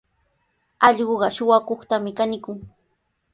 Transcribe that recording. Allquqa suqakuqtami kanikun.